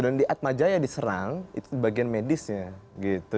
dan di atma jaya diserang itu bagian medisnya